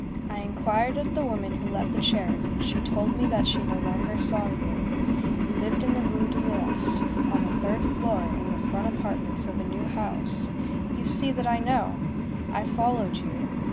I inquired of the woman who let the chairs, and she told me that she no longer saw you. You lived in the Rue de l'Ouest, on the third floor, in the front apartments of a new house,—you see that I know! I followed you.